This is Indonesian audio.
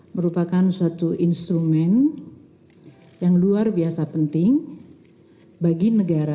merupakan suatu instrumen yang luar biasa penting bagi negara